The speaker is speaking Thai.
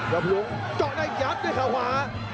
กับหลวงก็ได้ยัดด้วยขวา